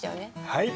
はい。